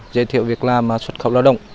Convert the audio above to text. giới thiệu việc làm xuất khẩu lao động